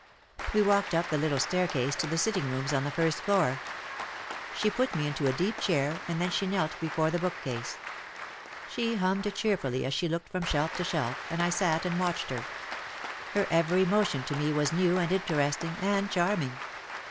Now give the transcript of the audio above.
We walked up the little staircase to the sitting rooms on the first floor. She put me into a deep chair and then she knelt before the bookcase. She hummed cheerfully as she looked from shelf to shelf, and I sat and watched her. Her every motion to me was new and interesting and charming.